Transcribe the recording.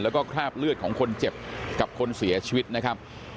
แล้วก็คราบเลือดของคนเจ็บกับคนเสียชีวิตนะครับ